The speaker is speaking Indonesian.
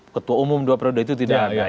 ketua umum dua periode itu tidak ada